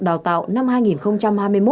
đào tạo năm hai nghìn hai mươi một